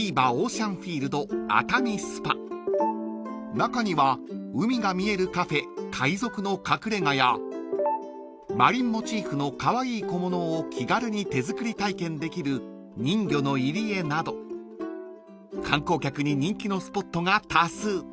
［中には海が見えるカフェ海賊の隠れ家やマリンモチーフのカワイイ小物を気軽に手作り体験できる人魚の入り江など観光客に人気のスポットが多数］